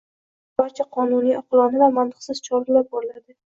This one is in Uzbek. Buning uchun barcha qonuniy, oqilona va mantiqsiz choralar ko'riladi